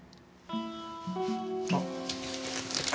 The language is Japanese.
あっ。